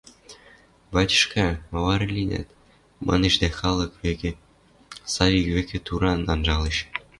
– Батьышка, ма вара линӓт? – манеш дӓ халык вӹкӹ, Савик вӹкӹ туран анжалеш.